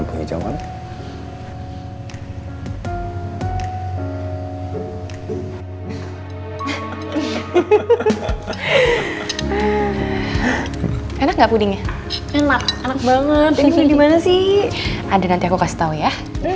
enak enak banget sih ada nanti aku kasih tau ya